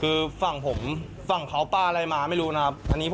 คือฝั่งผมฝั่งเขาปลาอะไรมาไม่รู้นะครับ